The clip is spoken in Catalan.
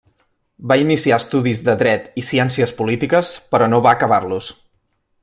Va iniciar estudis de Dret i Ciències Polítiques, però no va acabar-los.